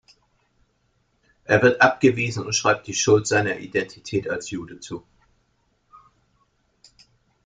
Er wird abgewiesen und schreibt die Schuld seiner Identität als Jude zu.